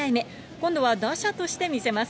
今度は打者として見せます。